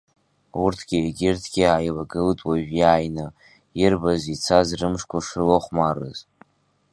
Урҭгьы егьырҭгьы ааилагылт уажә иааины, ирбаз ицаз рымшқәа шрылахәмарыз.